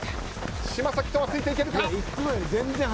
嶋崎斗亜ついていけるか。